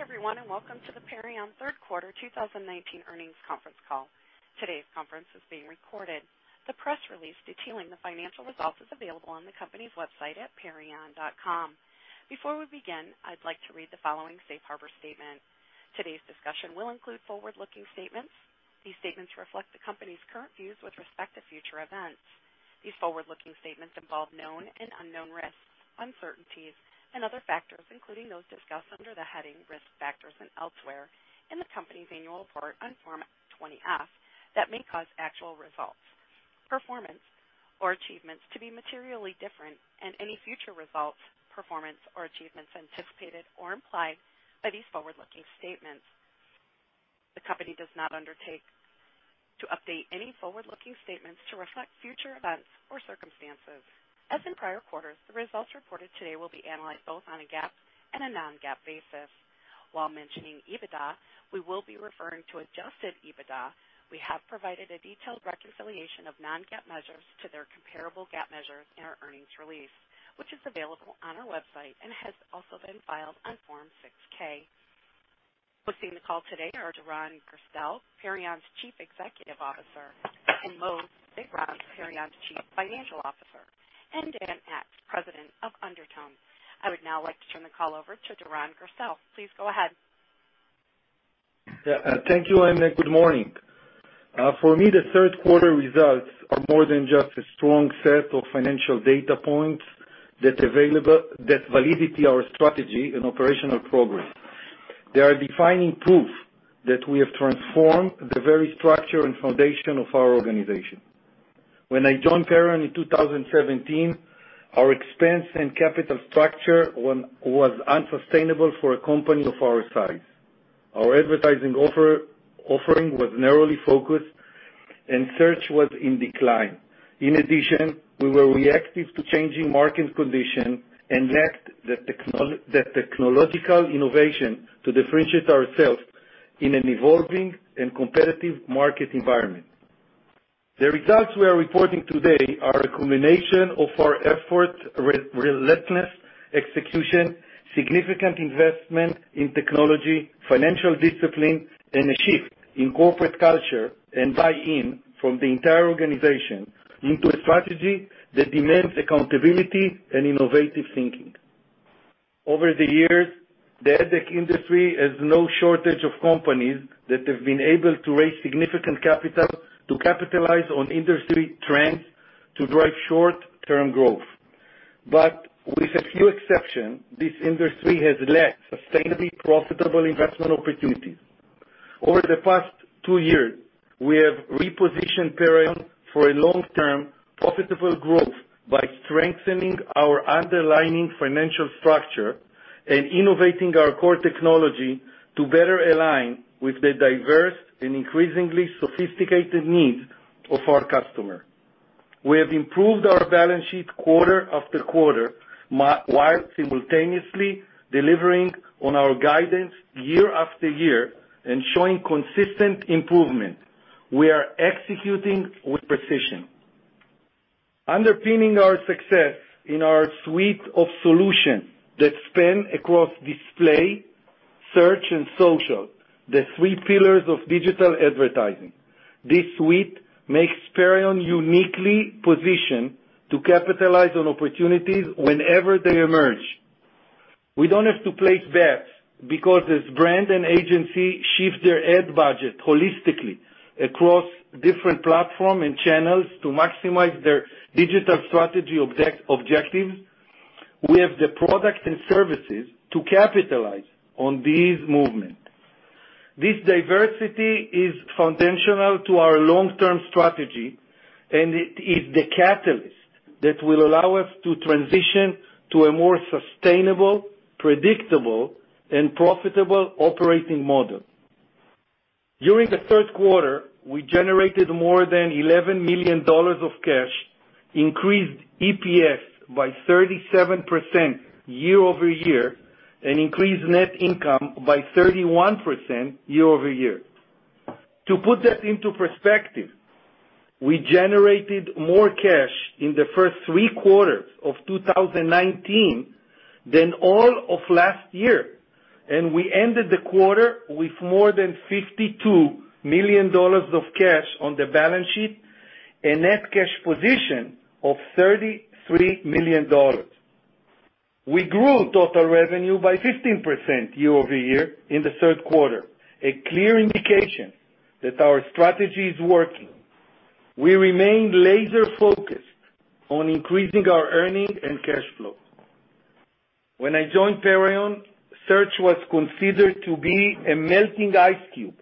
Good day everyone, and welcome to the Perion third quarter 2019 earnings conference call. Today's conference is being recorded. The press release detailing the financial results is available on the company's website at perion.com. Before we begin, I'd like to read the following safe harbor statement. Today's discussion will include forward-looking statements. These statements reflect the company's current views with respect to future events. These forward-looking statements involve known and unknown risks, uncertainties, and other factors, including those discussed under the heading Risk Factors and elsewhere in the company's annual report on Form 20-F that may cause actual results, performance, or achievements to be materially different, and any future results, performance, or achievements anticipated or implied by these forward-looking statements. The company does not undertake to update any forward-looking statements to reflect future events or circumstances. As in prior quarters, the results reported today will be analyzed both on a GAAP and a non-GAAP basis. While mentioning EBITDA, we will be referring to adjusted EBITDA. We have provided a detailed reconciliation of non-GAAP measures to their comparable GAAP measures in our earnings release, which is available on our website and has also been filed on Form 6-K. Hosting the call today are Doron Gerstel, Perion's Chief Executive Officer, and Maoz Sigron, Perion's Chief Financial Officer, and Dan Aks, President of Undertone. I would now like to turn the call over to Doron Gerstel. Please go ahead. Yeah. Thank you, Emma. Good morning. For me, the third quarter results are more than just a strong set of financial data points that validate our strategy and operational progress. They are defining proof that we have transformed the very structure and foundation of our organization. When I joined Perion in 2017, our expense and capital structure was unsustainable for a company of our size. Our advertising offering was narrowly focused, and search was in decline. In addition, we were reactive to changing market condition and lacked the technological innovation to differentiate ourselves in an evolving and competitive market environment. The results we are reporting today are a culmination of our efforts, relentless execution, significant investment in technology, financial discipline, and a shift in corporate culture and buy-in from the entire organization into a strategy that demands accountability and innovative thinking. Over the years, the ad tech industry has no shortage of companies that have been able to raise significant capital to capitalize on industry trends to drive short-term growth. With a few exceptions, this industry has lacked sustainably profitable investment opportunities. Over the past two years, we have repositioned Perion for a long-term, profitable growth by strengthening our underlying financial structure and innovating our core technology to better align with the diverse and increasingly sophisticated needs of our customer. We have improved our balance sheet quarter after quarter, while simultaneously delivering on our guidance year after year and showing consistent improvement. We are executing with precision. Underpinning our success in our suite of solutions that span across display, search, and social, the three pillars of digital advertising. This suite makes Perion uniquely positioned to capitalize on opportunities whenever they emerge. We don't have to place bets because as brand and agency shift their ad budget holistically across different platform and channels to maximize their digital strategy objective, we have the product and services to capitalize on these movement. This diversity is foundational to our long-term strategy, and it is the catalyst that will allow us to transition to a more sustainable, predictable, and profitable operating model. During the third quarter, we generated more than $11 million of cash, increased EPS by 37% year-over-year, and increased net income by 31% year-over-year. To put that into perspective, we generated more cash in the first three quarters of 2019 than all of last year, and we ended the quarter with more than $52 million of cash on the balance sheet, a net cash position of $33 million. We grew total revenue by 15% year-over-year in the third quarter, a clear indication that our strategy is working. We remain laser-focused on increasing our earnings and cash flow. When I joined Perion, search was considered to be a melting ice cube,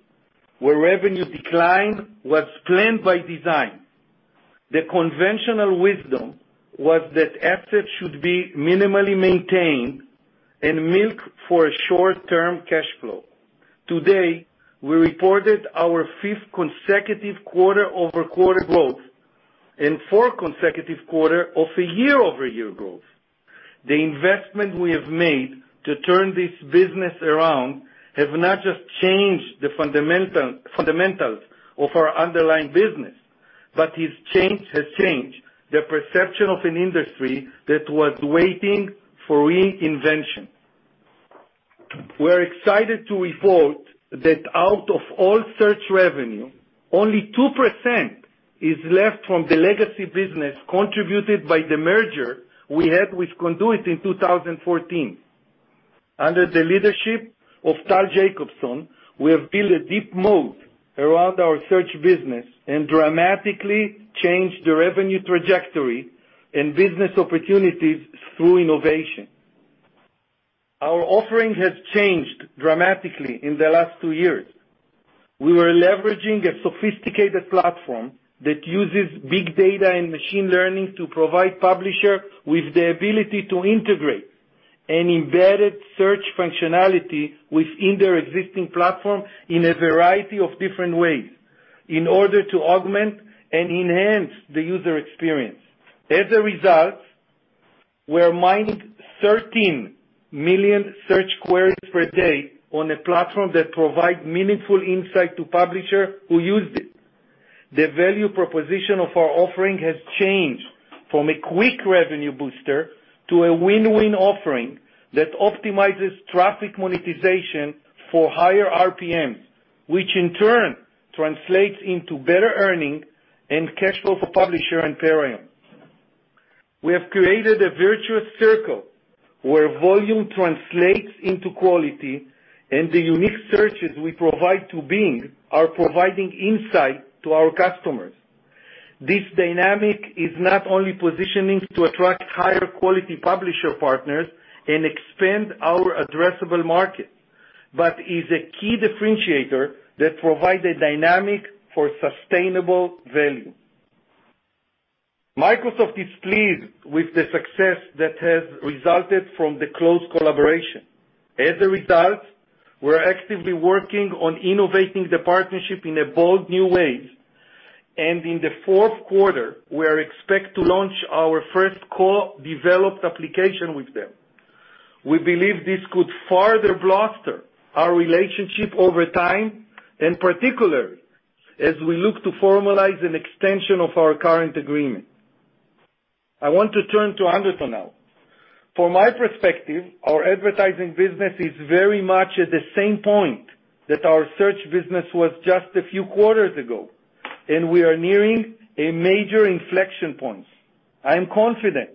where revenue decline was planned by design. The conventional wisdom was that assets should be minimally maintained and milked for a short-term cash flow. Today, we reported our fifth consecutive quarter-over-quarter growth and four consecutive quarter of a year-over-year growth. The investment we have made to turn this business around have not just changed the fundamentals of our underlying business. It has changed the perception of an industry that was waiting for reinvention. We're excited to report that out of all search revenue, only 2% is left from the legacy business contributed by the merger we had with Conduit in 2014. Under the leadership of Tal Jacobson, we have built a deep moat around our search business and dramatically changed the revenue trajectory and business opportunities through innovation. Our offering has changed dramatically in the last two years. We are leveraging a sophisticated platform that uses big data and machine learning to provide publisher with the ability to integrate an embedded search functionality within their existing platform in a variety of different ways in order to augment and enhance the user experience. As a result, we are mining 13 million search queries per day on a platform that provide meaningful insight to publisher who use it. The value proposition of our offering has changed from a quick revenue booster to a win-win offering that optimizes traffic monetization for higher RPMs, which in turn translates into better earning and cash flow for publisher and Perion. We have created a virtuous circle where volume translates into quality, and the unique searches we provide to Bing are providing insight to our customers. This dynamic is not only positioning to attract higher quality publisher partners and expand our addressable market, but is a key differentiator that provide a dynamic for sustainable value. Microsoft is pleased with the success that has resulted from the close collaboration. We're actively working on innovating the partnership in bold new ways, and in the fourth quarter, we are expect to launch our first co-developed application with them. We believe this could further bolster our relationship over time, and particularly as we look to formalize an extension of our current agreement. I want to turn to Undertone now. From my perspective, our advertising business is very much at the same point that our search business was just a few quarters ago, and we are nearing a major inflection point. I am confident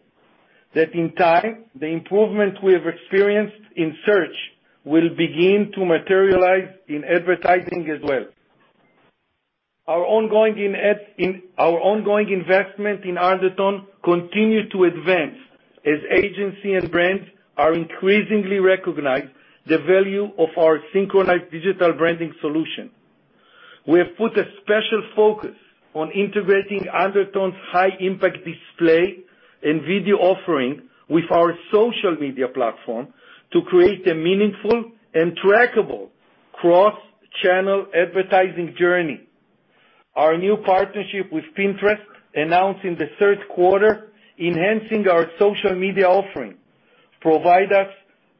that in time, the improvement we have experienced in search will begin to materialize in advertising as well. Our ongoing investment in Undertone continue to advance as agency and brands are increasingly recognize the value of our Synchronized Digital Branding solution. We have put a special focus on integrating Undertone's high-impact display and video offering with our social media platform to create a meaningful and trackable cross-channel advertising journey. Our new partnership with Pinterest, announced in the third quarter, enhancing our social media offering, provide us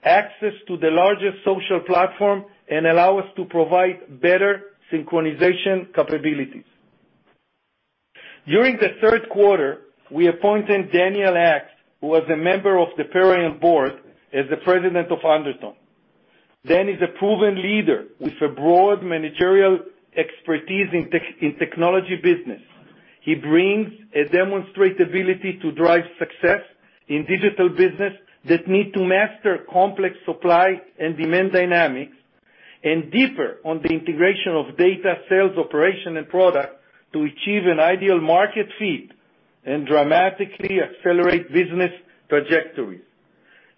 access to the largest social platform and allow us to provide better synchronization capabilities. During the third quarter, we appointed Dan Aks, who was a member of the Perion board, as the President of Undertone. Dan is a proven leader with a broad managerial expertise in technology business. He brings a demonstrated ability to drive success in digital business that need to master complex supply and demand dynamics, and differ on the integration of data, sales, operation, and product to achieve an ideal market fit and dramatically accelerate business trajectories.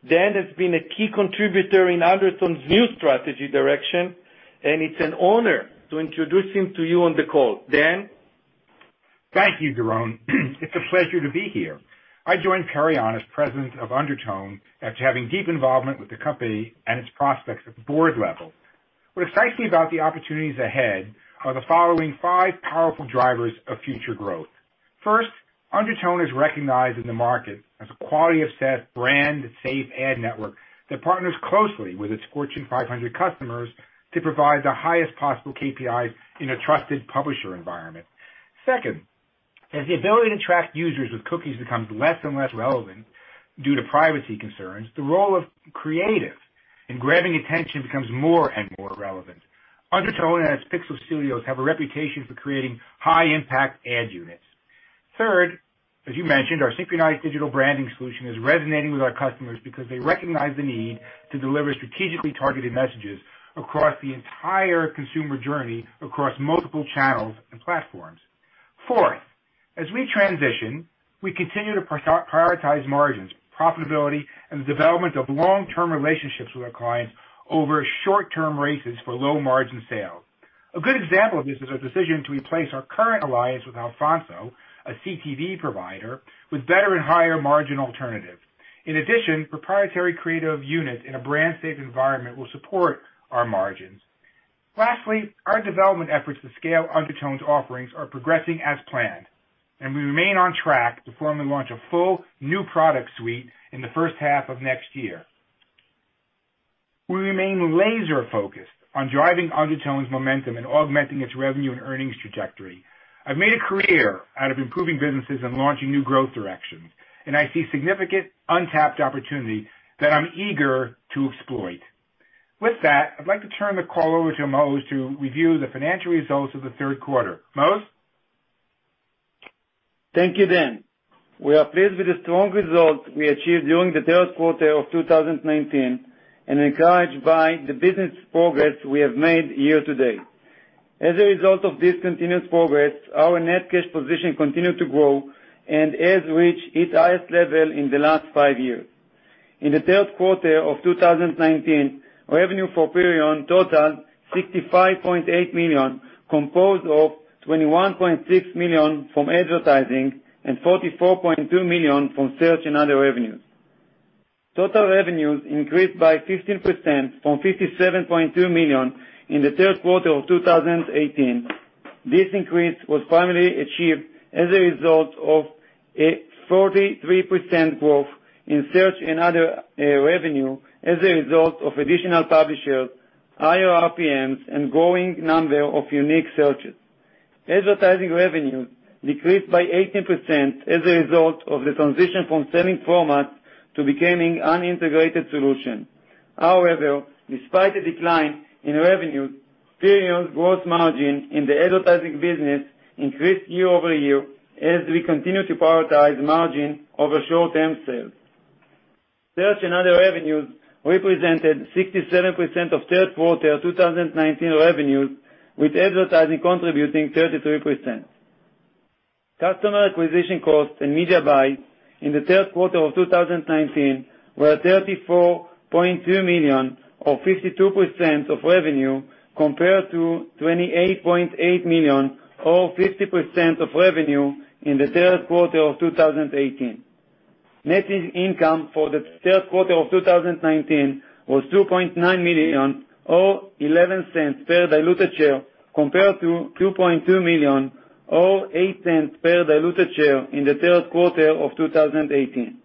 Dan has been a key contributor in Undertone's new strategy direction. It's an honor to introduce him to you on the call. Dan? Thank you, Doron. It's a pleasure to be here. I joined Perion as president of Undertone after having deep involvement with the company and its prospects at the board level. What excites me about the opportunities ahead are the following five powerful drivers of future growth. First, Undertone is recognized in the market as a quality-assessed, brand-safe ad network that partners closely with its Fortune 500 customers to provide the highest possible KPIs in a trusted publisher environment. Second, as the ability to track users with cookies becomes less and less relevant due to privacy concerns, the role of creative in grabbing attention becomes more and more relevant. Undertone and its PIXL Studios have a reputation for creating high-impact ad units. Third, as you mentioned, our Synchronized Digital Branding solution is resonating with our customers because they recognize the need to deliver strategically targeted messages across the entire consumer journey, across multiple channels and platforms. Fourth, as we transition, we continue to prioritize margins, profitability, and the development of long-term relationships with our clients over short-term races for low-margin sales. A good example of this is our decision to replace our current alliance with Alphonso, a CTV provider, with better and higher margin alternatives. In addition, proprietary creative units in a brand-safe environment will support our margins. Lastly, our development efforts to scale Undertone's offerings are progressing as planned, and we remain on track to formally launch a full new product suite in the first half of next year. We remain laser focused on driving Undertone's momentum and augmenting its revenue and earnings trajectory. I've made a career out of improving businesses and launching new growth directions, and I see significant untapped opportunity that I'm eager to exploit. With that, I'd like to turn the call over to Maoz to review the financial results of the third quarter. Maoz? Thank you, Dan Aks. We are pleased with the strong results we achieved during the third quarter of 2019 and encouraged by the business progress we have made year to date. As a result of this continuous progress, our net cash position continued to grow and has reached its highest level in the last five years. In the third quarter of 2019, revenue for Perion totaled $65.8 million, composed of $21.6 million from advertising and $44.2 million from search and other revenues. Total revenues increased by 15% from $57.2 million in the third quarter of 2018. This increase was finally achieved as a result of a 43% growth in search and other revenue as a result of additional publishers, higher RPMs, and growing number of unique searches. Advertising revenues decreased by 18% as a result of the transition from selling formats to becoming an integrated solution. However, despite the decline in revenue, Perion's gross margin in the advertising business increased year-over-year as we continue to prioritize margin over short-term sales. Search and other revenues represented 67% of third quarter 2019 revenues, with advertising contributing 33%. Customer acquisition costs and media buys in the third quarter of 2019 were $34.2 million, or 52% of revenue, compared to $28.8 million, or 50% of revenue in the third quarter of 2018. Net income for the third quarter of 2019 was $2.9 million, or $0.11 per diluted share, compared to $2.2 million or $0.08 per diluted share in the third quarter of 2018.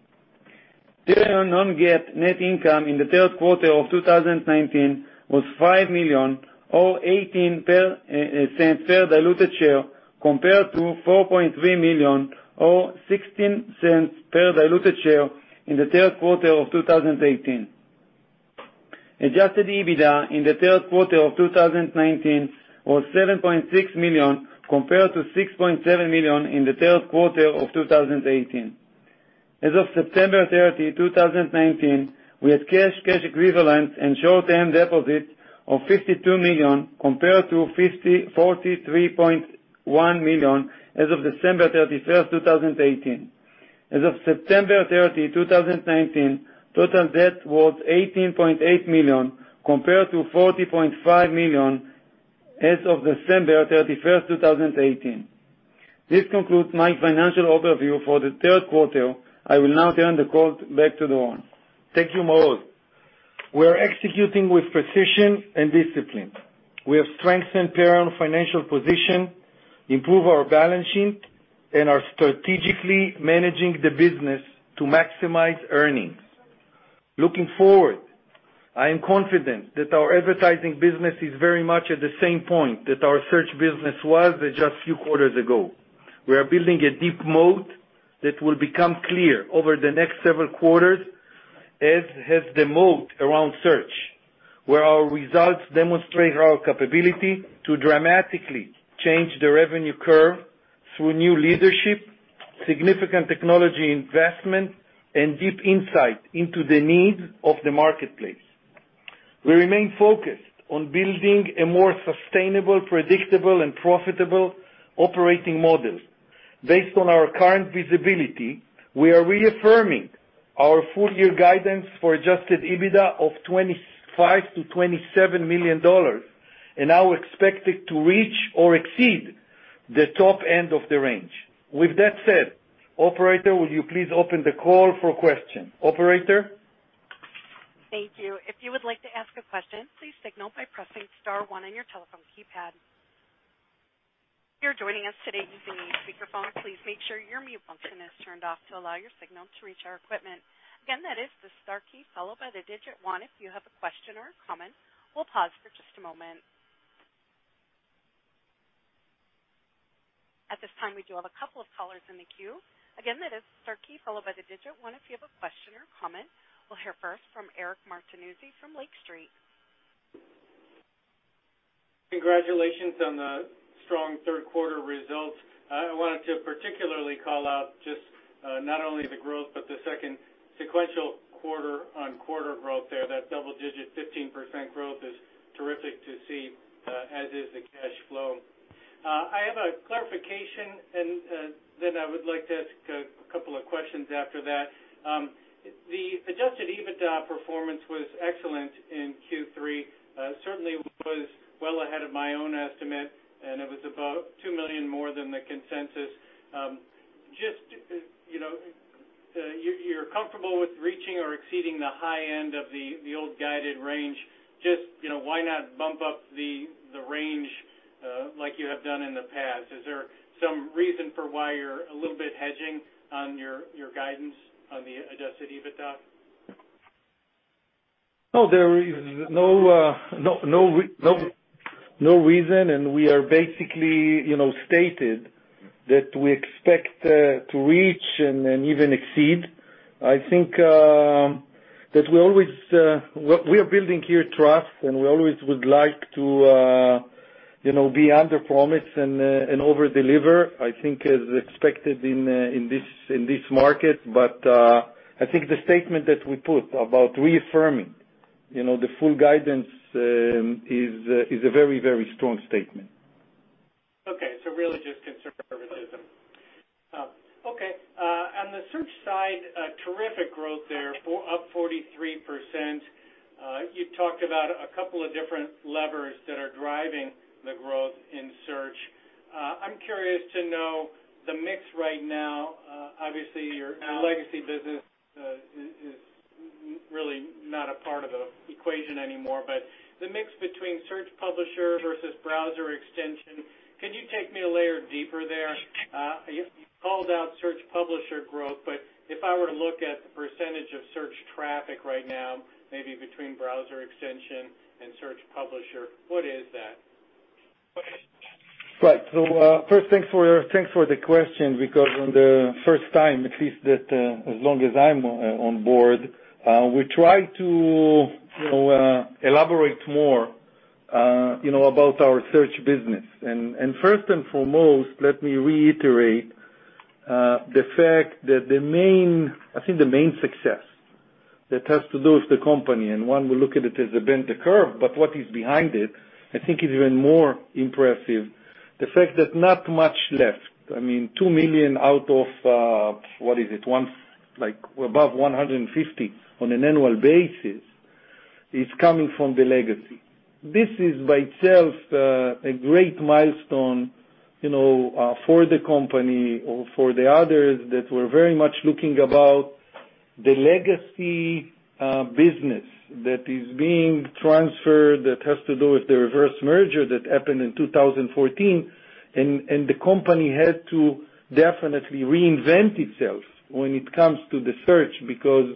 Perion non-GAAP net income in the third quarter of 2019 was $5 million or $0.18 per diluted share, compared to $4.3 million or $0.16 per diluted share in the third quarter of 2018. Adjusted EBITDA in the third quarter of 2019 was $7.6 million compared to $6.7 million in the third quarter of 2018. As of September 30, 2019, we had cash equivalents, and short-term deposits of $52 million, compared to $43.1 million as of December 31, 2018. As of September 30, 2019, total debt was $18.8 million, compared to $40.5 million as of December 31, 2018. This concludes my financial overview for the third quarter. I will now turn the call back to Doron. Thank you, Maoz. We are executing with precision and discipline. We have strengthened Perion's financial position, improved our balance sheet, and are strategically managing the business to maximize earnings. Looking forward, I am confident that our advertising business is very much at the same point that our search business was at just few quarters ago. We are building a deep moat that will become clear over the next several quarters, as has the moat around search, where our results demonstrate our capability to dramatically change the revenue curve through new leadership, significant technology investment, and deep insight into the needs of the marketplace. We remain focused on building a more sustainable, predictable, and profitable operating model. Based on our current visibility, we are reaffirming our full-year guidance for adjusted EBITDA of $25 million-$27 million, and now expect it to reach or exceed the top end of the range. With that said, Operator, will you please open the call for questions? Operator? Thank you. If you would like to ask a question, please signal by pressing star one on your telephone keypad. If you're joining us today using a speakerphone, please make sure your mute button is turned off to allow your signal to reach our equipment. Again, that is the star key followed by the digit one if you have a question or a comment. We'll pause for just a moment. At this time, we do have a couple of callers in the queue. Again, that is star key followed by the digit one if you have a question or comment. We'll hear first from Eric Martinuzzi from Lake Street. Congratulations on the strong third quarter results. I wanted to particularly call out just not only the growth, but the second sequential quarter-on-quarter growth there. That double-digit 15% growth is terrific to see, as is the cash flow. I have a clarification. I would like to ask a couple of questions after that. The adjusted EBITDA performance was excellent in Q3. Certainly was well ahead of my own estimate. It was about $2 million more than the consensus. You're comfortable with reaching or exceeding the high end of the old guided range? Just why not bump up the range like you have done in the past? Is there some reason for why you're a little bit hedging on your guidance on the adjusted EBITDA? No, there is no reason. We are basically stated that we expect to reach and even exceed. I think that we are building here trust. We always would like to under promise and over deliver, I think is expected in this market. I think the statement that we put about reaffirming the full guidance is a very strong statement. Okay. Really just conservatism. On the search side, terrific growth there, up 43%. You've talked about a couple of different levers that are driving the growth in search. I'm curious to know the mix right now. Obviously, your legacy business is really not a part of the equation anymore, but the mix between search publisher versus browser extension, can you take me a layer deeper there? You called out search publisher growth, but if I were to look at the percentage of search traffic right now, maybe between browser extension and search publisher, what is that? Right. First, thanks for the question, because on the first time, at least that as long as I'm on board, we try to elaborate more about our search business. First and foremost, let me reiterate the fact that I think the main success that has to do with the company, and one will look at it as a bend the curve, but what is behind it, I think is even more impressive, the fact that not much left. I mean, $2 million out of, what is it? Above $150 million on an annual basis is coming from the legacy. This is by itself, a great milestone for the company or for the others that were very much looking about the legacy business that is being transferred, that has to do with the reverse merger that happened in 2014, and the company had to definitely reinvent itself when it comes to the search, because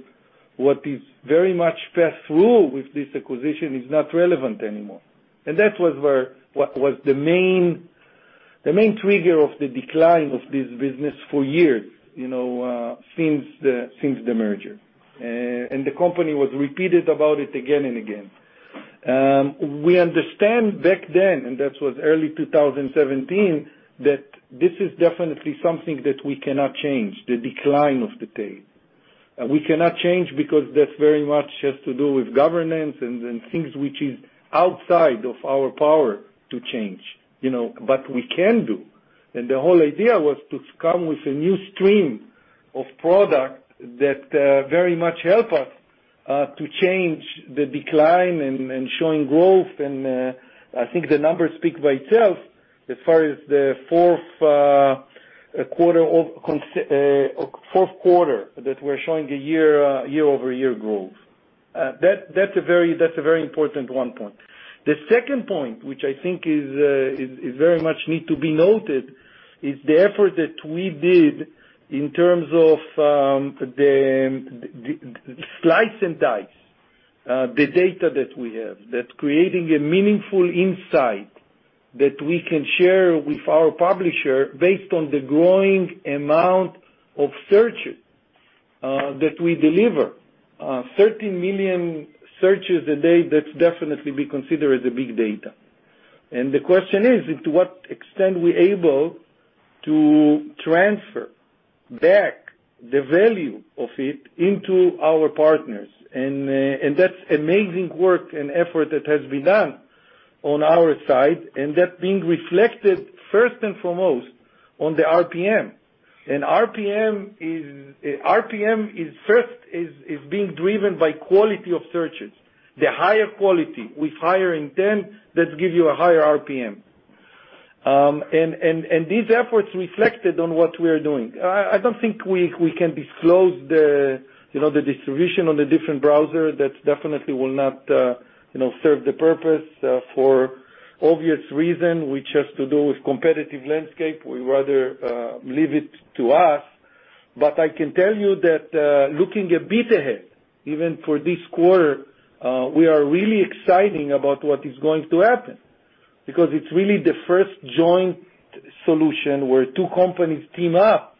what is very much passed through with this acquisition is not relevant anymore. That was the main trigger of the decline of this business for years since the merger. The company was repeated about it again and again. We understand back then, and that was early 2017, that this is definitely something that we cannot change, the decline of the day. We cannot change because that very much has to do with governance and things which is outside of our power to change, but we can do. The whole idea was to come with a new stream of product that very much help us, to change the decline and showing growth. I think the numbers speak by itself as far as the fourth quarter that we're showing a year-over-year growth. That's a very important one point. The second point, which I think is very much need to be noted, is the effort that we did in terms of the slice and dice the data that we have, that's creating a meaningful insight that we can share with our publisher based on the growing amount of searches that we deliver. 13 million searches a day, that's definitely we consider as a big data. The question is, and to what extent we're able to transfer back the value of it into our partners. That's amazing work and effort that has been done on our side, and that being reflected first and foremost on the RPM. RPM first is being driven by quality of searches. The higher quality with higher intent, that give you a higher RPM. These efforts reflected on what we're doing. I don't think we can disclose the distribution on the different browser that definitely will not serve the purpose for obvious reason, which has to do with competitive landscape, we rather leave it to us. I can tell you that looking a bit ahead, even for this quarter, we are really exciting about what is going to happen, because it's really the first joint solution where two companies team up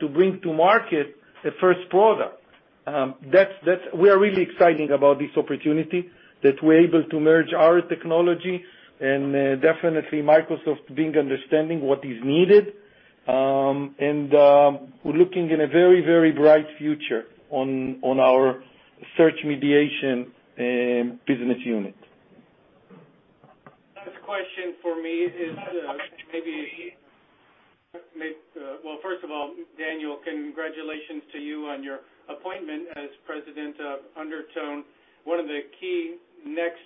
to bring to market the first product. We are really excited about this opportunity that we're able to merge our technology and, definitely Microsoft being understanding what is needed. We're looking in a very bright future on our search mediation business unit. Last question for me is Well, first of all, Dan, congratulations to you on your appointment as president of Undertone. One of the key next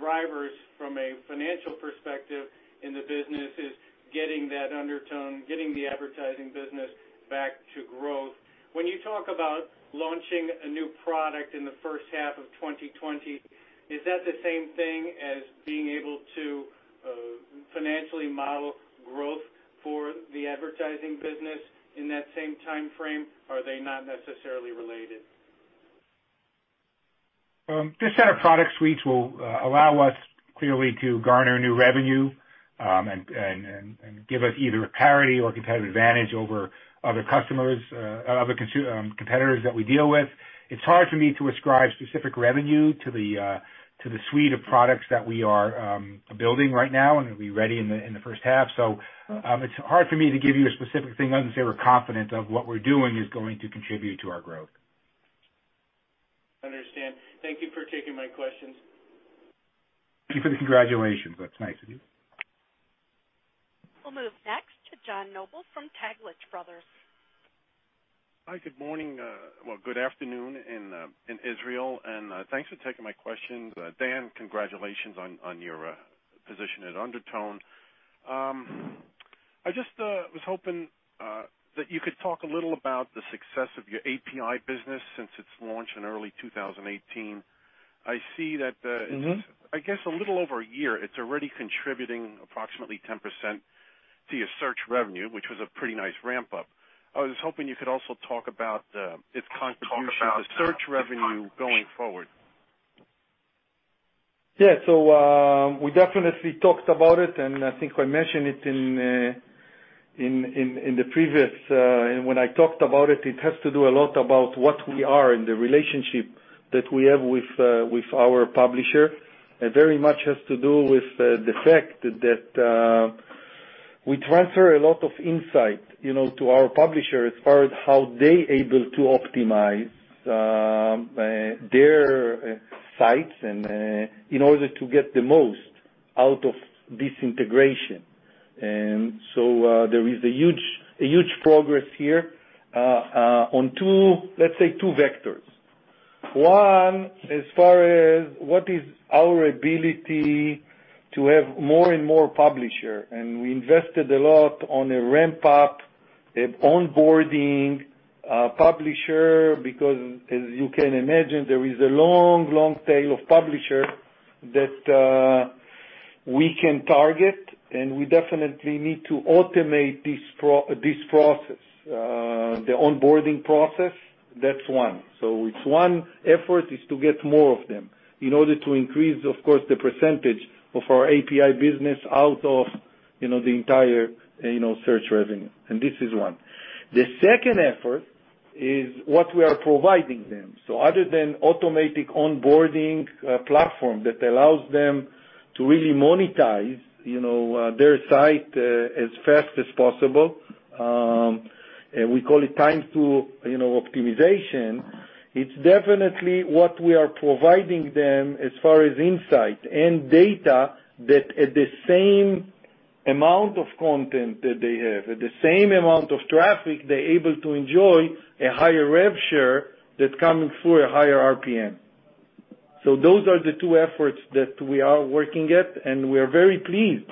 drivers from a financial perspective in the business is getting that Undertone, getting the advertising business back to growth. When you talk about launching a new product in the first half of 2020, is that the same thing as being able to financially model growth for the advertising business in that same timeframe? Are they not necessarily related? This set of product suites will allow us clearly to garner new revenue, and give us either a parity or competitive advantage over other competitors that we deal with. It's hard for me to ascribe specific revenue to the suite of products that we are building right now and will be ready in the first half. It's hard for me to give you a specific thing other than say we're confident of what we're doing is going to contribute to our growth. Understand. Thank you for taking my questions. Thank you for the congratulations. That's nice of you. We'll move next to John Nobile from Taglich Brothers. Hi, good morning. Well, good afternoon in Israel, and thanks for taking my questions. Dan, congratulations on your position at Undertone. I just was hoping that you could talk a little about the success of your API business since its launch in early 2018. I guess a little over a year, it's already contributing approximately 10% to your search revenue, which was a pretty nice ramp-up. I was hoping you could also talk about its contribution to search revenue going forward. Yeah. We definitely talked about it, and I think we mentioned it in the previous, and when I talked about it has to do a lot with what we are and the relationship that we have with our publishers. It very much has to do with the fact that we transfer a lot of insight to our publishers as far as how they are able to optimize their sites in order to get the most out of this integration. There is a huge progress here, on two, let's say, two vectors. One, as far as what is our ability to have more and more publishers, and we invested a lot on a ramp-up, an onboarding publisher, because as you can imagine, there is a long tail of publishers that we can target, and we definitely need to automate this process, the onboarding process. It's one effort is to get more of them in order to increase, of course, the percentage of our API business out of the entire search revenue, and this is one. The second effort is what we are providing them. Other than automating onboarding platform that allows them to really monetize their site as fast as possible, we call it time to optimization. It's definitely what we are providing them as far as insight and data that at the same amount of content that they have, at the same amount of traffic, they're able to enjoy a higher rev share that's coming through a higher RPM. Those are the two efforts that we are working at, and we are very pleased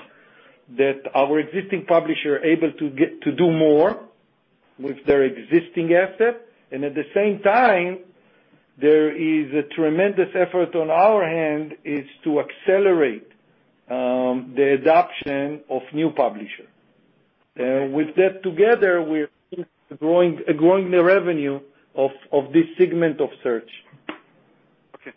that our existing publisher are able to do more with their existing asset. At the same time, there is a tremendous effort on our end to accelerate the adoption of new publisher. With that together, we're growing the revenue of this segment of search. Okay.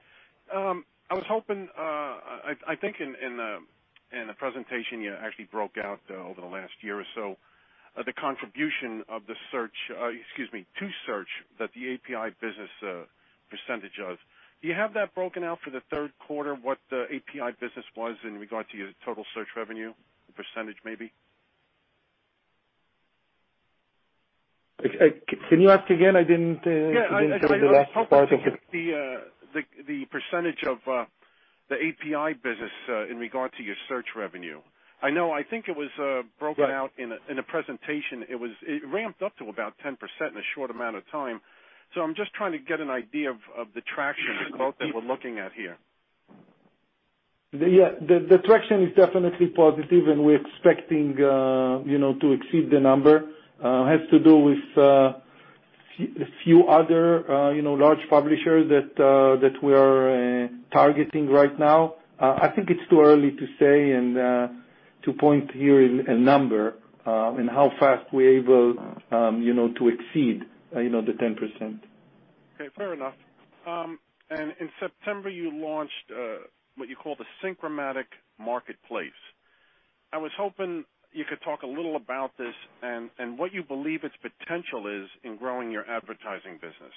I was hoping, I think in the presentation, you actually broke out over the last year or so, the contribution to search that the API business percentage of. Do you have that broken out for the third quarter, what the API business was in regard to your total search revenue percentage maybe? Can you ask again? I didn't hear the last part of it. The percentage of the API business in regard to your search revenue? I know. I think it was broken out. Right in a presentation. It ramped up to about 10% in a short amount of time, so I'm just trying to get an idea of the traction and growth that we're looking at here. Yeah. The traction is definitely positive, and we're expecting to exceed the number. It has to do with a few other large publishers that we are targeting right now. I think it's too early to say and to point here a number, and how fast we're able to exceed the 10%. Okay. Fair enough. In September, you launched what you call the Synchromatic Marketplace. I was hoping you could talk a little about this, and what you believe its potential is in growing your advertising business.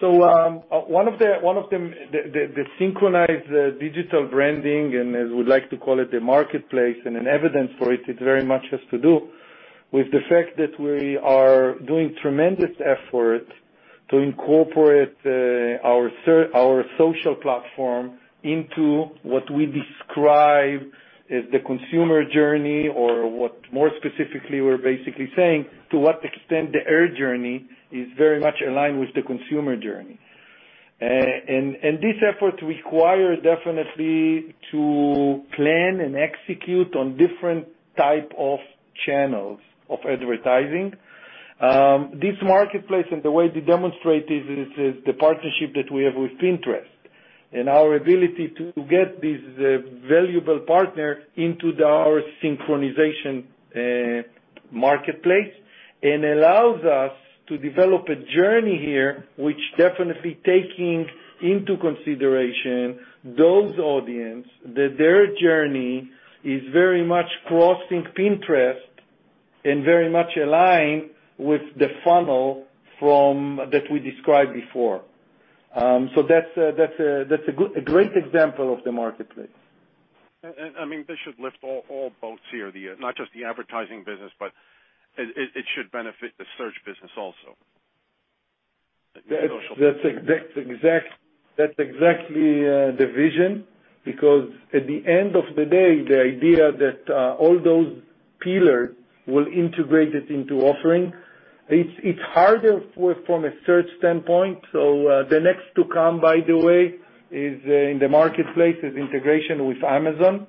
The Synchronized Digital Branding, and as we'd like to call it, the marketplace, and an evidence for it very much has to do with the fact that we are doing tremendous effort to incorporate our social platform into what we describe as the consumer journey, or what more specifically we're basically saying, to what extent our journey is very much aligned with the consumer journey. This effort requires definitely to plan and execute on different type of channels of advertising. This marketplace and the way to demonstrate is the partnership that we have with Pinterest, and our ability to get this valuable partner into our Synchromatic Marketplace, allows us to develop a journey here, which definitely taking into consideration those audience, that their journey is very much crossing Pinterest and very much aligned with the funnel that we described before. That's a great example of the marketplace. This should lift all boats here, not just the advertising business, but it should benefit the search business also, the social-. That's exactly the vision, because at the end of the day, the idea that all those pillars will integrate it into offering, it's harder from a search standpoint. The next to come, by the way, in the marketplace is integration with Amazon,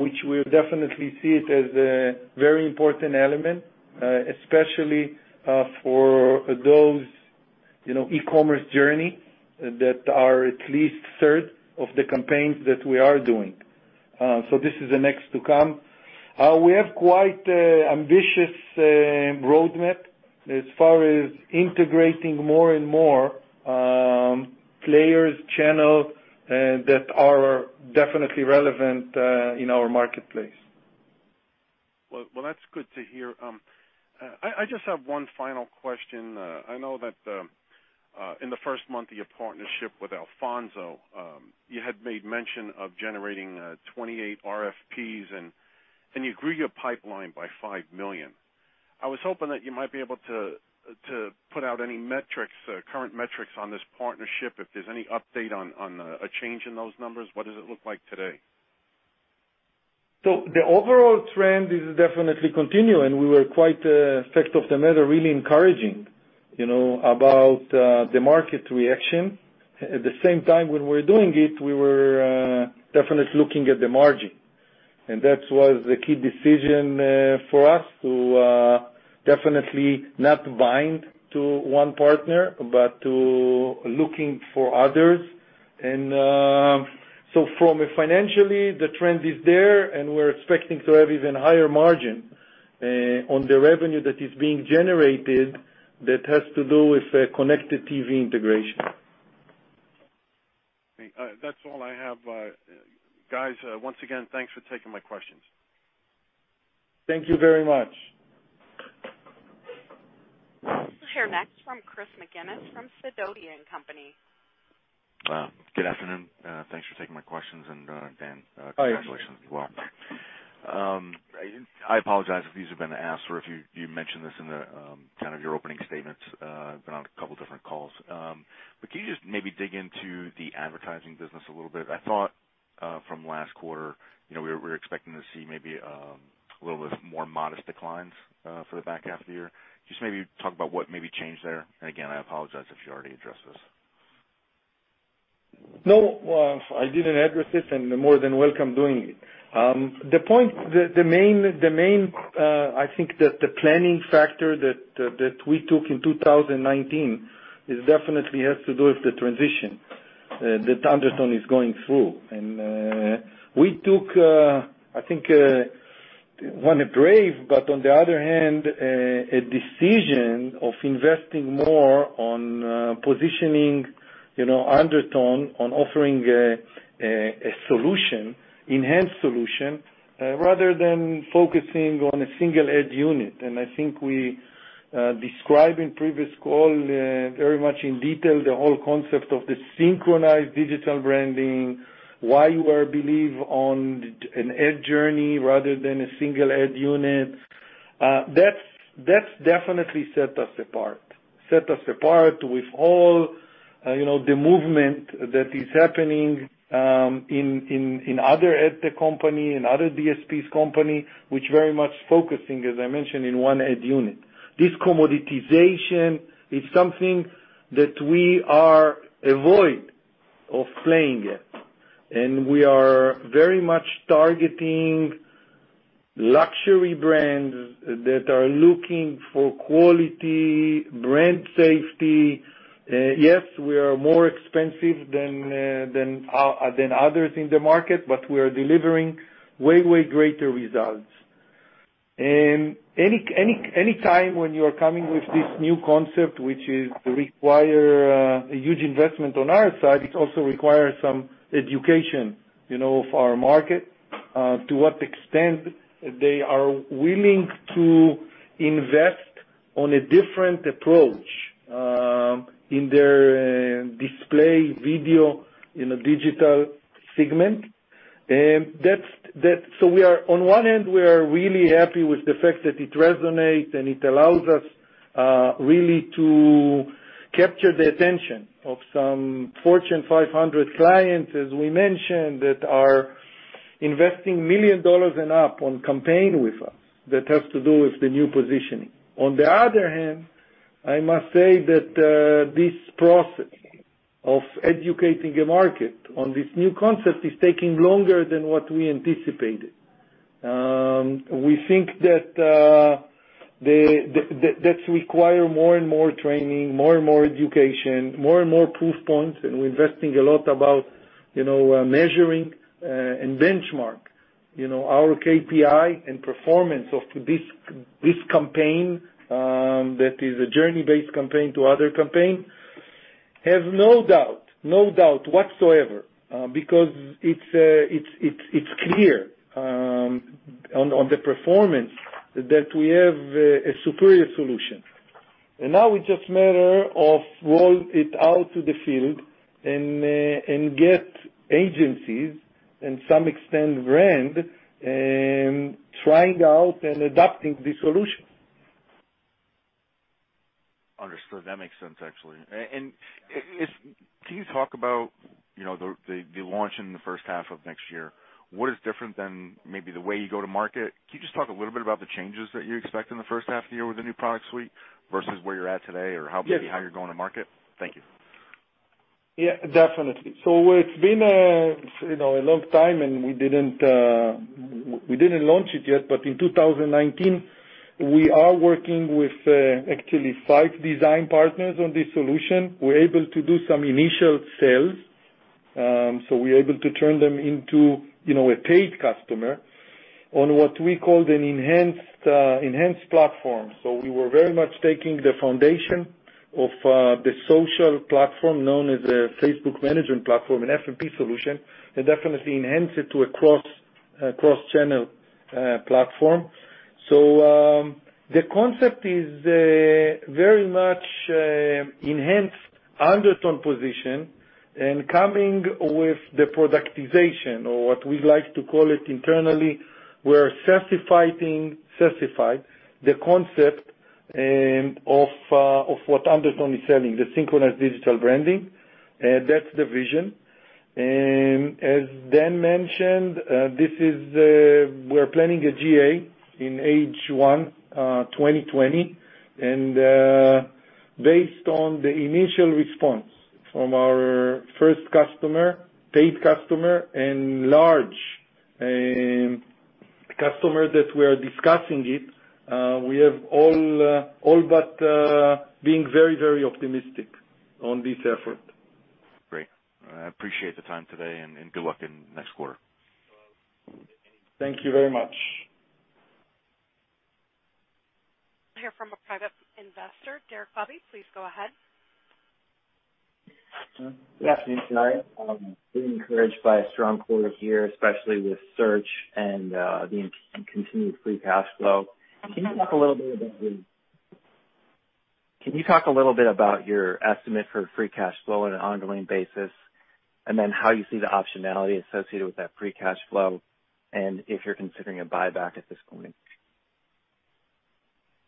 which we definitely see it as a very important element, especially for those e-commerce journey that are at least a third of the campaigns that we are doing. This is the next to come. We have quite ambitious roadmap as far as integrating more and more players, channels that are definitely relevant in our marketplace. Well, that's good to hear. I just have one final question. I know that in the first month of your partnership with Alphonso, you had made mention of generating 28 RFPs, and you grew your pipeline by $5 million. I was hoping that you might be able to put out any current metrics on this partnership, if there's any update on a change in those numbers, what does it look like today? The overall trend is definitely continuing. We were quite, fact of the matter, really encouraging about the market reaction. At the same time when we're doing it, we were definitely looking at the margin, and that was the key decision for us to definitely not bind to one partner, but to looking for others. From a financially, the trend is there, and we're expecting to have even higher margin on the revenue that is being generated that has to do with connected TV integration. That's all I have. Guys, once again, thanks for taking my questions. Thank you very much. Sure. Next from Chris McGinnis from Sidoti & Company. Good afternoon. Thanks for taking my questions. Hi, Chris. congratulations as well. I apologize if these have been asked or if you mentioned this in kind of your opening statements, been on a couple different calls. Can you just maybe dig into the advertising business a little bit? I thought from last quarter, we were expecting to see maybe a little bit more modest declines for the back half of the year. Just maybe talk about what maybe changed there. Again, I apologize if you already addressed this. No, I didn't address it and more than welcome doing it. I think the planning factor that we took in 2019, it definitely has to do with the transition that Undertone is going through. We took, I think, a brave, but on the other hand, a decision of investing more on positioning Undertone on offering enhanced solution rather than focusing on a single ad unit. I think we described in previous call very much in detail the whole concept of the Synchronized Digital Branding, why we believe on an ad journey rather than a single ad unit. That's definitely set us apart. Set us apart with all the movement that is happening in other ad-tech company, in other DSPs company, which very much focusing, as I mentioned, in one ad unit. This commoditization is something that we are avoid of playing it, and we are very much targeting luxury brands that are looking for quality, brand safety. Yes, we are more expensive than others in the market, but we are delivering way greater results. Anytime when you're coming with this new concept, which require a huge investment on our side, it also requires some education for our market, to what extent they are willing to invest on a different approach in their display video in a digital segment. On one hand, we are really happy with the fact that it resonates, and it allows us really to capture the attention of some Fortune 500 clients, as we mentioned, that are investing million dollars and up on campaign with us, that has to do with the new positioning. On the other hand, I must say that, this process of educating a market on this new concept is taking longer than what we anticipated. We think that requires more and more training, more and more education, more and more proof points, and we're investing a lot about measuring, and benchmark. Our KPI and performance of this campaign, that is a journey-based campaign to other campaign, have no doubt whatsoever, because it's clear on the performance that we have a superior solution. Now it's just a matter of roll it out to the field and get agencies and some extent brand, trying out and adopting the solution. Understood. That makes sense, actually. Can you talk about the launch in the first half of next year? What is different than maybe the way you go to market? Can you just talk a little bit about the changes that you expect in the first half of the year with the new product suite versus where you're at today or how maybe how you're going to market? Thank you. Yeah, definitely. It's been a long time, and we didn't launch it yet, but in 2019, we are working with actually five design partners on this solution. We're able to do some initial sales. We're able to turn them into a paid customer on what we call an enhanced platform. We were very much taking the foundation of the social platform known as a Facebook Management platform, an FMP solution, and definitely enhance it to a cross-channel platform. The concept is very much enhanced Undertone position and coming with the productization or what we like to call it internally, we're SaaSified the concept of what Undertone is selling, the Synchronized Digital Branding, that's the vision. As Dan mentioned, we're planning a GA in H1 2020, and based on the initial response from our first customer, paid customer, and large customer that we are discussing it, we have all but being very optimistic on this effort. Great. I appreciate the time today. Good luck in the next quarter. Thank you very much. Hear from a private investor. Derek Bobby, please go ahead. Good afternoon. [inaudible] I'm pretty encouraged by a strong quarter here, especially with search and the continued free cash flow. Can you talk a little bit about your estimate for free cash flow on an ongoing basis, and then how you see the optionality associated with that free cash flow, and if you're considering a buyback at this point? Okay.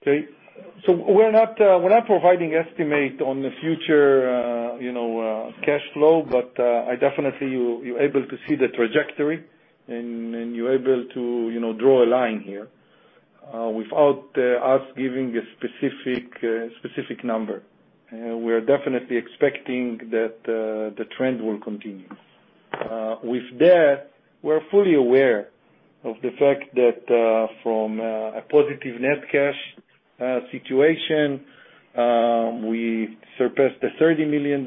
We're not providing estimate on the future cash flow, but definitely you're able to see the trajectory, and you're able to draw a line here, without us giving a specific number. We're definitely expecting that the trend will continue. With that, we're fully aware of the fact that, from a positive net cash situation, we surpassed the $30 million.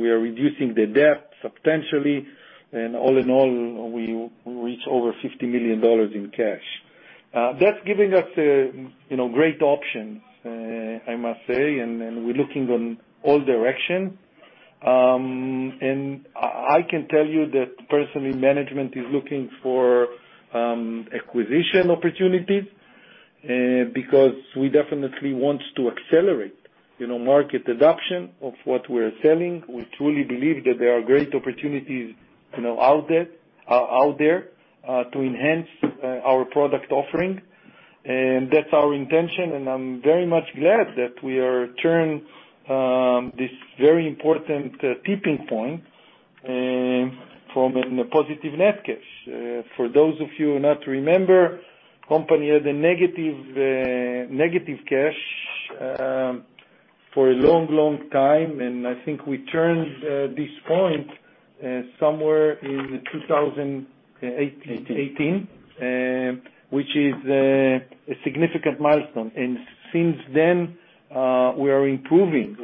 We are reducing the debt substantially, all in all, we reach over $50 million in cash. That's giving us great options, I must say. We're looking in all direction. I can tell you that personally, management is looking for acquisition opportunities, because we definitely want to accelerate market adoption of what we're selling. We truly believe that there are great opportunities out there to enhance our product offering. That's our intention, and I'm very much glad that we are turning this very important tipping point from a positive net cash. For those of you who not remember, company had a negative cash for a long, long time, and I think we turned this point somewhere in 2018. 18. Which is a significant milestone. Since then, we are improving.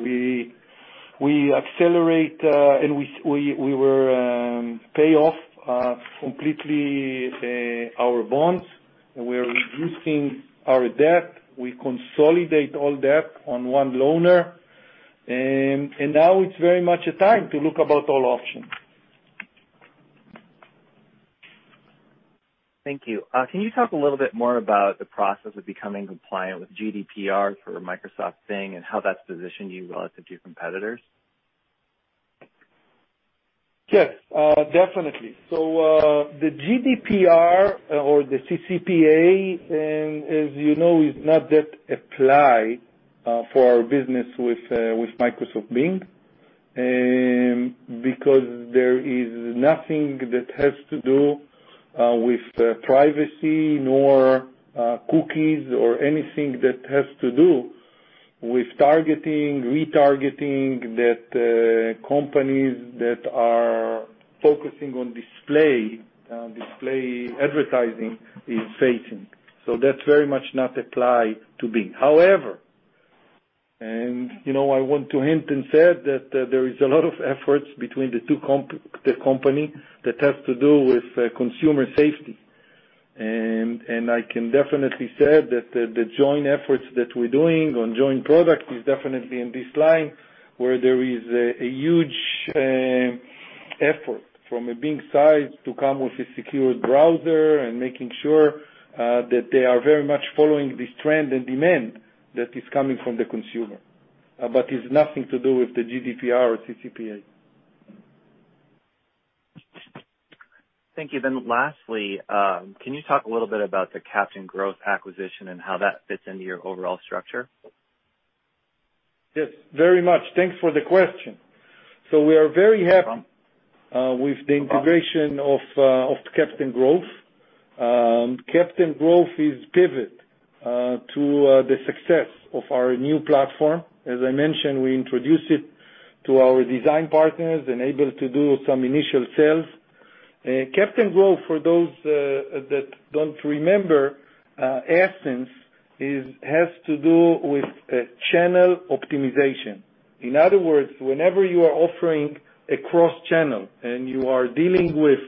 We accelerate, and we will pay off completely our bonds, and we're reducing our debt. We consolidate all debt on one loaner, and now it's very much a time to look about all options. Thank you. Can you talk a little bit more about the process of becoming compliant with GDPR for Microsoft Bing and how that's positioned you relative to your competitors? Yes. Definitely. The GDPR or the CCPA, as you know, is not that apply for our business with Microsoft Bing. There is nothing that has to do with privacy, nor cookies or anything that has to do with targeting, retargeting that companies that are focusing on display advertising is facing. That very much not apply to Bing. However, and I want to hint and say that there is a lot of efforts between the two companies that has to do with consumer safety. I can definitely say that the joint efforts that we're doing on joint product is definitely in this line, where there is a huge effort from a Bing side to come with a secure browser and making sure that they are very much following this trend and demand that is coming from the consumer. It's nothing to do with the GDPR or CCPA. Thank you. Lastly, can you talk a little bit about the Captain Growth acquisition and how that fits into your overall structure? Yes, very much. Thanks for the question. We are very happy with the integration of Captain Growth. Captain Growth is pivot to the success of our new platform. As I mentioned, we introduced it to our design partners and able to do some initial sales. Captain Growth, for those that don't remember, essence has to do with channel optimization. In other words, whenever you are offering a cross-channel and you are dealing with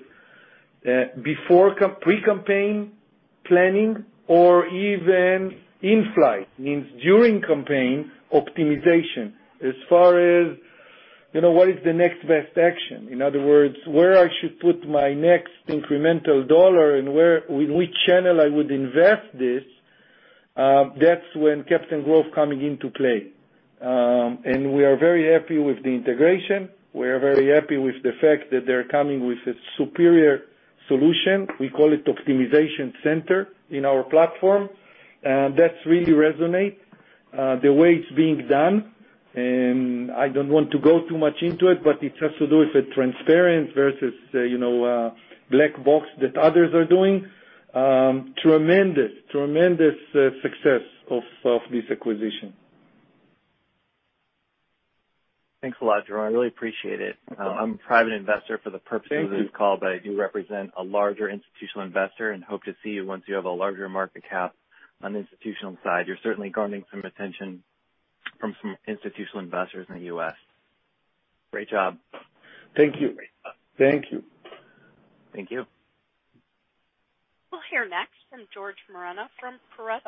pre-campaign planning or even in-flight, means during campaign optimization, as far as what is the next best action. In other words, where I should put my next incremental dollar and which channel I would invest this, that's when Captain Growth coming into play. We are very happy with the integration. We are very happy with the fact that they're coming with a superior solution. We call it optimization center in our platform. That really resonates, the way it's being done, and I don't want to go too much into it, but it has to do with the transparent versus black box that others are doing. Tremendous success of this acquisition. Thanks a lot, Doron. I really appreciate it. I'm a private investor for the purpose of this call, but I do represent a larger institutional investor and hope to see you once you have a larger market cap on the institutional side. You're certainly garnering some attention from some institutional investors in the U.S. Great job. Thank you. Thank you. We'll hear next from George Moreno from. [inaudible]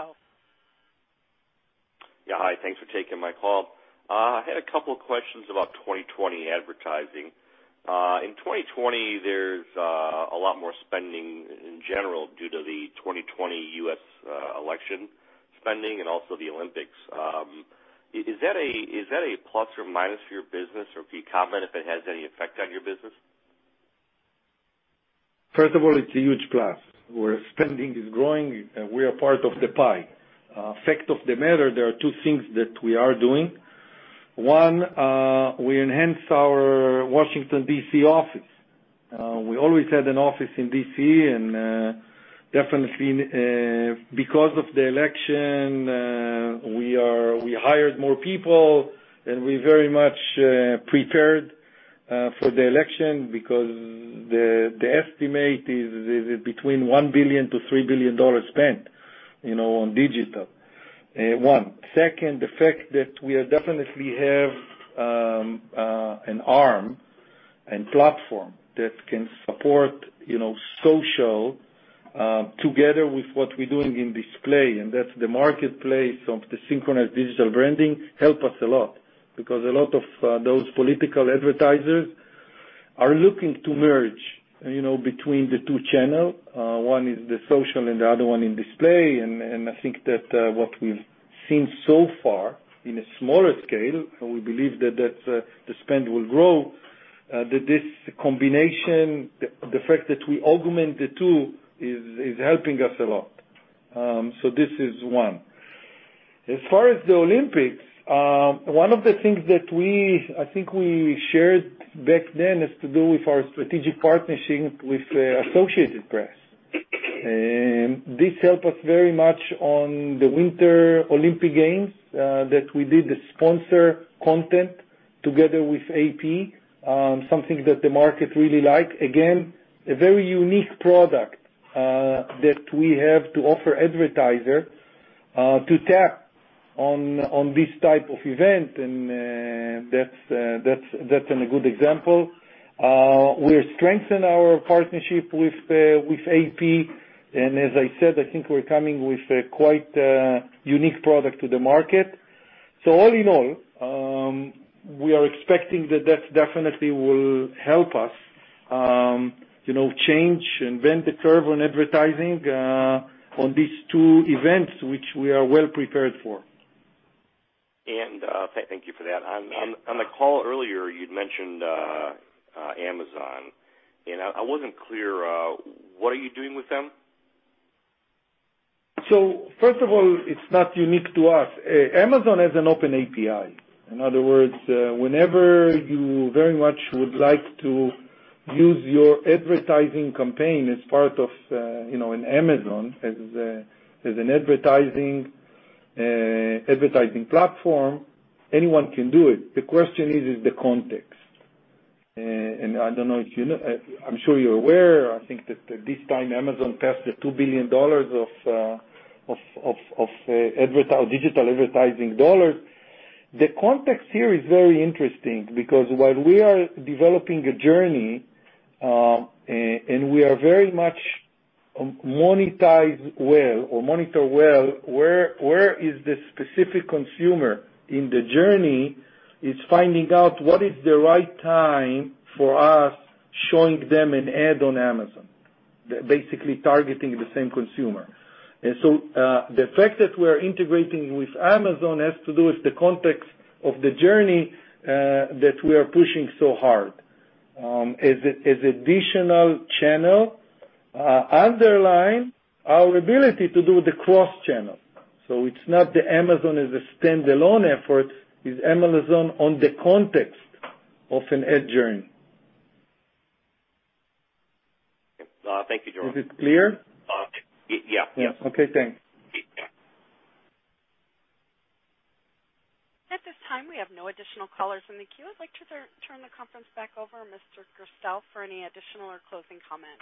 Yeah, hi. Thanks for taking my call. I had a couple of questions about 2020 advertising. In 2020, there's a lot more spending in general due to the 2020 U.S. election spending and also the Olympics. Is that a plus or minus for your business, or can you comment if it has any effect on your business? First of all, it's a huge plus. Where spending is growing, we are part of the pie. Fact of the matter, there are two things that we are doing. One, we enhance our Washington D.C. office. We always had an office in D.C., and definitely because of the election, we hired more people, and we very much prepared for the election because the estimate is between $1 billion-$3 billion spent on digital. One. Second, the fact that we definitely have an arm and platform that can support social, together with what we're doing in display, and that's the marketplace of the Synchronized Digital Branding help us a lot because a lot of those political advertisers are looking to merge between the two channel. One is the social and the other one in display. I think that what we've seen so far in a smaller scale, and we believe that the spend will grow, that this combination, the fact that we augment the two, is helping us a lot. This is one. As far as the Olympics, one of the things that I think we shared back then has to do with our strategic partnership with Associated Press. This help us very much on the Winter Olympic Games, that we did the sponsor content together with AP, something that the market really like. A very unique product that we have to offer advertiser, to tap on this type of event, that's a good example. We strengthen our partnership with AP, as I said, I think we're coming with a quite unique product to the market. All in all, we are expecting that that definitely will help us change and bend the curve on advertising on these two events, which we are well prepared for. Thank you for that. On the call earlier, you'd mentioned Amazon, and I wasn't clear, what are you doing with them? First of all, it's not unique to us. Amazon has an open API. In other words, whenever you very much would like to use your advertising campaign as part of an Amazon, as an advertising platform, anyone can do it. The question is the context. I'm sure you're aware, I think that this time Amazon passed the $2 billion of digital advertising dollars. The context here is very interesting because while we are developing a journey, and we are very much monetized well or monitor well, where is the specific consumer in the journey, is finding out what is the right time for us showing them an ad on Amazon, basically targeting the same consumer. The fact that we're integrating with Amazon has to do with the context of the journey that we are pushing so hard. As additional channel underline our ability to do the cross-channel. It's not the Amazon as a standalone effort, it's Amazon on the context of an ad journey. Thank you, Doron. Is it clear? Yeah. Okay, thanks. At this time, we have no additional callers in the queue. I'd like to turn the conference back over to Mr. Gerstel for any additional or closing comments.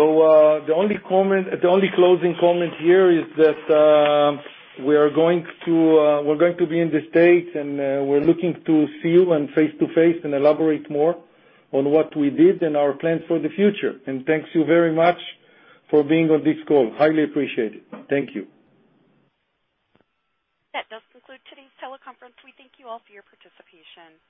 The only closing comment here is that we're going to be in the States, and we're looking to see you face to face and elaborate more on what we did and our plans for the future. Thanks you very much for being on this call. Highly appreciate it. Thank you. That does conclude today's teleconference. We thank you all for your participation.